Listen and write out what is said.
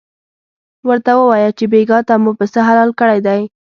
ورته ووایه چې بېګاه ته مو پسه حلال کړی دی.